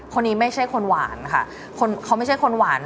คนนี้ไม่ใช่คนหวานค่ะเขาไม่ใช่คนหวาน